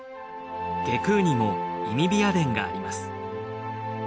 外宮にも忌火屋殿があります。